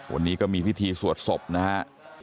วันนี้ก็มีพิธีสวดศพนะฮะ